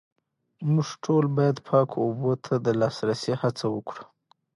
موږ ټول باید پاکو اوبو ته د لاسرسي هڅه وکړو